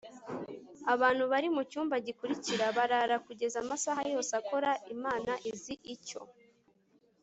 abantu bari mucyumba gikurikira barara kugeza amasaha yose akora imana izi icyo